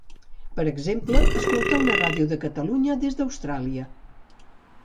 Per exemple escoltar una ràdio de Catalunya des d'Austràlia.